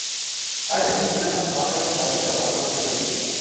اج ہم تنا اپنا کالج کا بارہ ما دساں گی